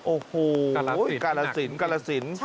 โอ้โหกาลสินกาลสิน